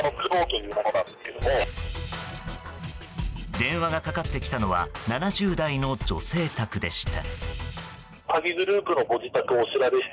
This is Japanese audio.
電話がかかってきたのは７０代の女性宅でした。